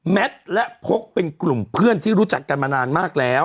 แมทและพกเป็นกลุ่มเพื่อนที่รู้จักกันมานานมากแล้ว